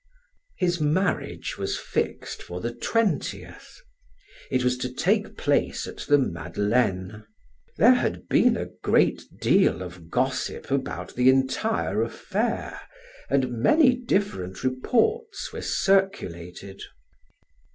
His marriage was fixed for the twentieth; it was to take place at the Madeleine. There had been a great deal of gossip about the entire affair, and many different reports were circulated.